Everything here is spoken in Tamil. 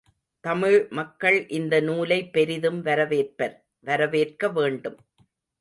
தமிழ் மக்கள் இந்த நூலை பெரிதும் வரவேற்பர் வரவேற்க வேண்டும்.